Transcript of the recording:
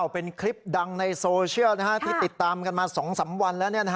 เป็นคลิปดังในโซเชียลที่ติดตามกันมา๒๓วันแล้ว